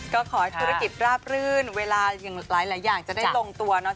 ก็ขอให้ธุรกิจราบรื่นเวลาอย่างหลายอย่างจะได้ลงตัวเนาะ